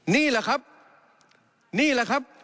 นี่แหละครับ